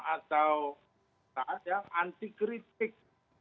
atau saat yang anti kritik